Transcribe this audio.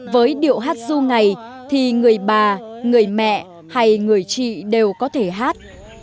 với điệu hát du ngày thì người bà người mẹ hay người chị đều có thể hát